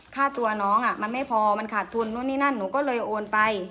ค่าตัวน้องมันไม่พอมันขาดทุนนู่นนี่นั่นหนูก็เลยโอนไป